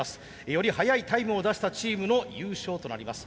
より速いタイムを出したチームの優勝となります。